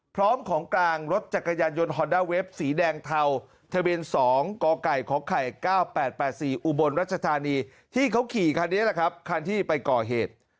พร้อมของกลางรถจักรยานยนต์ฮอนด้าเวฟสีแดงเทาทะเบียน๒กกขไข่๙๘๘๔อุบลรัชธานีที่เขาขี่คันนี้แหละครับคันที่ไปก่อเหตุ